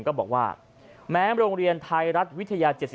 ก็บอกว่าแม้โรงเรียนไทยรัฐวิทยา๗๒